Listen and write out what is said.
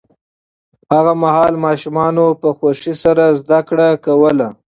هغه مهال ماشومانو په خوښۍ سره زده کړه کوله.